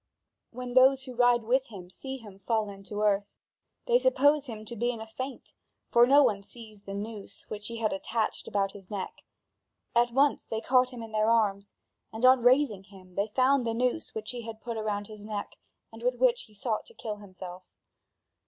When those who ride with him see him fallen to earth, they suppose him to be in a faint, for no one sees the noose which he had attached about his neck. At once they caught him in their arms and, on raising him, they found the noose which he had put around his neck and with which he sought to kill himself.